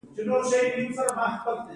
هغه هغې ته د موزون سپوږمۍ ګلان ډالۍ هم کړل.